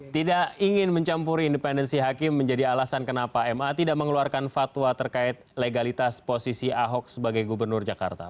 tidak ingin mencampuri independensi hakim menjadi alasan kenapa ma tidak mengeluarkan fatwa terkait legalitas posisi ahok sebagai gubernur jakarta